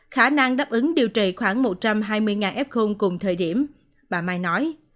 khả năng đáp ứng điều trị khoảng một trăm hai mươi f cùng thời điểm bà mai nói